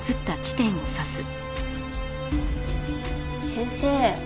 先生